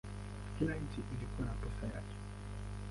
Kila nchi ilikuwa na pesa yake.